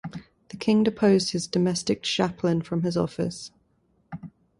The king deposed his domestic chaplain from his office.